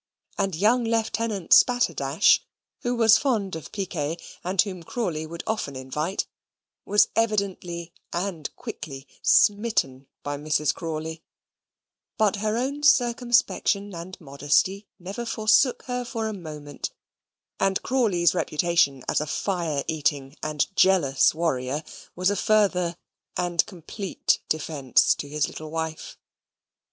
And young Lieutenant Spatterdash (who was fond of piquet, and whom Crawley would often invite) was evidently and quickly smitten by Mrs. Crawley; but her own circumspection and modesty never forsook her for a moment, and Crawley's reputation as a fire eating and jealous warrior was a further and complete defence to his little wife.